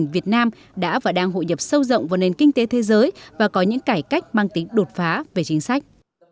việt nam đã và đang hội nhập sâu rộng vào nền kinh tế thế giới và có những cải cách mang tính đột phá về chính sách